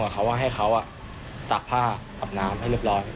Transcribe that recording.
เจอไปเลย